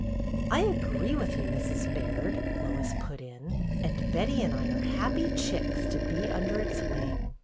"I agree with you, Mrs. Baird," Lois put in. "And Betty and I are happy chicks to be under its wing.